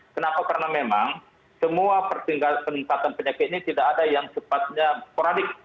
kenapa karena memang semua peningkatan penyakit ini tidak ada yang sepatnya sporadik